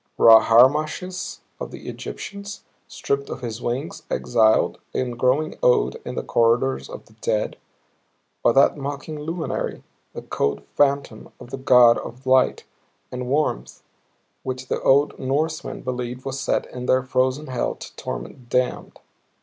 Ra Harmachis, of the Egyptians, stripped of his wings, exiled and growing old in the corridors of the Dead? Or that mocking luminary, the cold phantom of the God of light and warmth which the old Norsemen believed was set in their frozen hell to torment the damned?